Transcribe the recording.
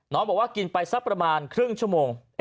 น้องบอกว่ากินไปสักประมาณครึ่งชั่วโมง